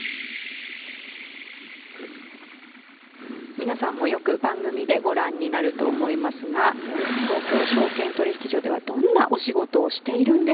皆さんもよく番組でご覧になると思いますが東京証券取引所ではどんなお仕事をしているんでしょうか？